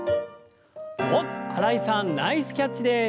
おっ新井さんナイスキャッチです！